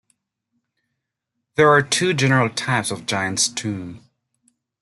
There are two general types of giants' tomb.